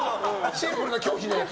シンプルな拒否のやつ。